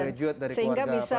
graduate dari keluarga pasca